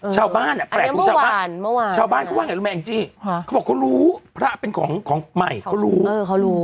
ชาวบ้านอ่ะแปลกครูชาวบ้านเขาบอกเขารู้พระเป็นของใหม่เขารู้